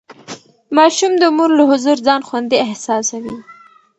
ماشوم د مور له حضور ځان خوندي احساسوي.